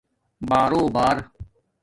بارݸبݳر